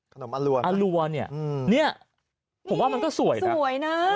ขนมอรัวเนี่ยเนี่ยผมว่ามันก็สวยนะ